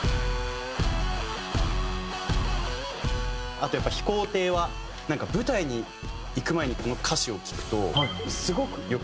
あとやっぱり『飛行艇』は舞台に行く前にこの歌詞を聴くとすごく良くて。